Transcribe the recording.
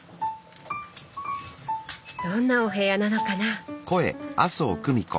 どんなお部屋なのかな？